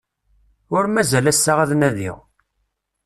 Ur mazal ass-a ad nadiɣ.